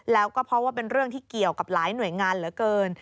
แล้วก็เพราะว่าเป็นเรื่องที่เกี่ยวกับหลายหน่วยงานเหลือเกิน